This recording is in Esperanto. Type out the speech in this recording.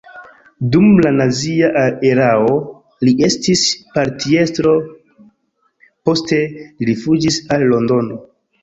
Dum la nazia erao li estis partiestro, poste li rifuĝis al Londono.